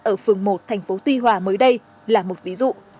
ở phường một tp tuy hòa mới đây là một ví dụ